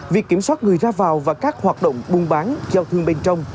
việc kiểm soát người ra vào và các hoạt động buôn bán giao thương bên trong